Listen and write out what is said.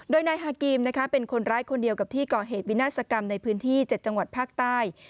โดยนายฮากีมเป็นคนร้ายคนเดียวกับที่ก่อเหตุวินาศกรรมในพื้นที่๗จังหวัดภาคใต้